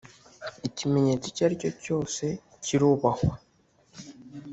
Ikimenyetso icyo ari cyo cyose kirubahwa.